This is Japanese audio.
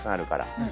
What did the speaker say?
うん。